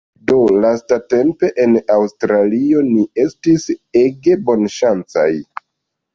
Do lastatempe en Aŭstralio ni estis ege bonŝancaj